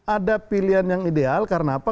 ada pilihan yang ideal karena apa